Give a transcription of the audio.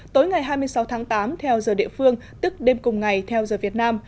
tối ngày hai mươi sáu tháng tám theo giờ địa phương tức đêm cùng ngày theo giờ việt nam